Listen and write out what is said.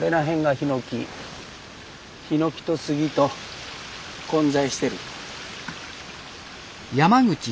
ヒノキと杉と混在してる。